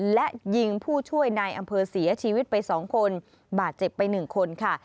และยิงผู้ช่วยนายอำเภอเสียชีวิตไป๒คนบาดเจ็บไป๑คนค่ะ